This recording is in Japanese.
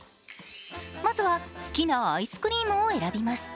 まずは、好きなアイスクリームを選びます。